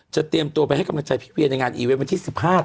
จะเตรียมตัวไปให้กำลังใจพิเวณในงานอีเว้นต์วันที่๑๕ธันวาคม